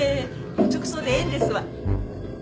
直葬でええんですわ。